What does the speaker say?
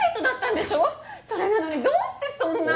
それなのにどうしてそんな。